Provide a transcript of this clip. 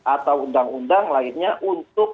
atau undang undang lainnya untuk